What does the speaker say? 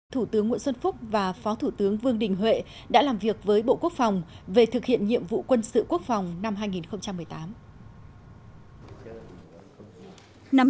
thủ tướng nguyễn xuân phúc và phó thủ tướng vương đình huệ đã làm việc với bộ quốc phòng về thực hiện nhiệm vụ quân sự quốc phòng năm hai nghìn một mươi tám